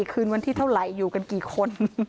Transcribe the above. คืนวันที่เท่าไหร่อยู่กันกี่คน